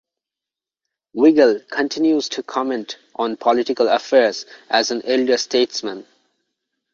Wiegel continues to comment on political affairs as an elder statesman.